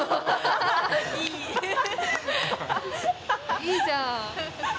いいじゃん！